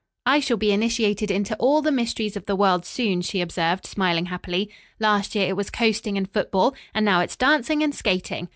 "I shall be initiated into all the mysteries of the world soon," she observed, smiling happily. "Last year it was coasting and football and now it's dancing and skating.